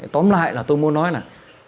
tóm lại là tôi muốn nói là